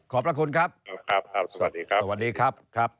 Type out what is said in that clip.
ขอบพระคุณครับสวัสดีครับ